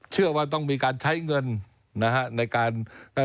เชื่อว่าต้องมีการใช้เงินนะฮะ